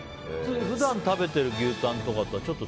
普段食べてる牛タンとかとはちょっと？